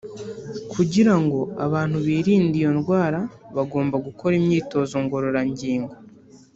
Kugira ngo abantu birinde iyo ndwara bagomba gukora imyitozo ngororangingo